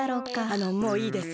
あのもういいです。